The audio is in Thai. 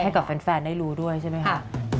ให้กับแฟนได้รู้ด้วยใช่ไหมคะ